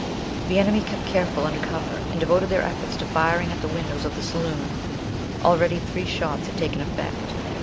The enemy kept carefully under cover, and devoted their efforts to firing at the windows of the saloon. Already three shots had taken effect.